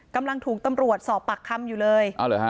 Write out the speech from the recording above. กำลังถูกตำรวจสอบปากคำอยู่เลยฮะ